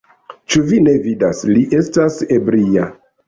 Ĉu vi ne vidas, li estas ebria.